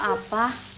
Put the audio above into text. yang udah jadi